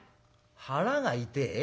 「腹が痛え？